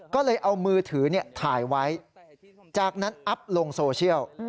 ก็เลยเอามือถือถ่ายไว้จากนั้นอัพลงโซเชียล